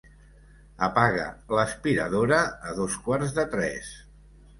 Apaga l'aspiradora a dos quarts de tres.